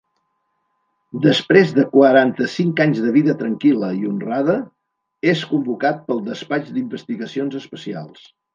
Després de quaranta-cinc anys de vida tranquil·la i honrada, és convocat pel despatx d'investigacions especials.